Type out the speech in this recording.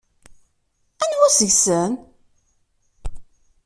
Anwa seg-sen?